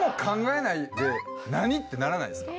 ってならないですか？